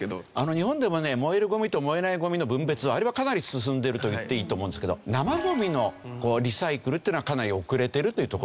日本でもね燃えるゴミと燃えないゴミの分別あれはかなり進んでるといっていいと思うんですけど生ゴミのリサイクルというのはかなり遅れてるというところ。